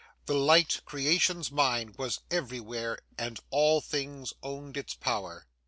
The light, creation's mind, was everywhere, and all things owned its power.